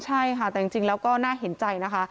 ใช่ค่ะแต่จริงแล้วก็น่าเห็นใจนะคะ